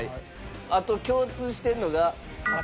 あと共通してるのが。